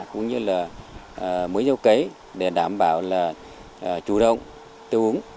cũng như là mới gieo cấy để đảm bảo là chủ động tiêu uống